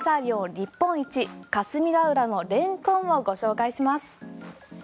日本一霞ヶ浦のレンコンをご紹介します。